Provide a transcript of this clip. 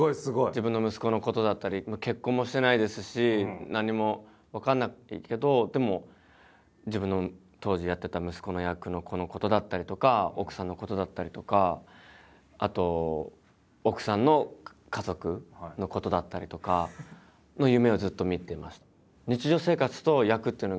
自分の息子のことだったり結婚もしてないですし何も分かんないけどでも自分の当時やってた息子の役の子のことだったりとか奥さんのことだったりとかあと奥さんの家族のことだったりとかの夢をずっと見てました。